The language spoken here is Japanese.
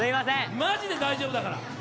マジで大丈夫だから。